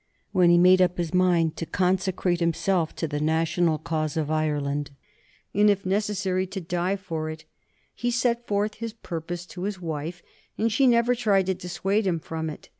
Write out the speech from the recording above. When he made up his mind to consecrate himself to the national cause of Ireland, and, if necessary, to die for it, he set forth his purpose to his wife, and she never tried to dissuade him from it.